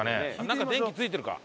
中電気ついてるか。